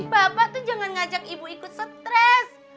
bapak tuh jangan ngajak ibu ikut stres